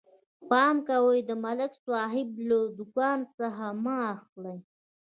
پام کوئ، د ملک صاحب له دوکان څه مه اخلئ.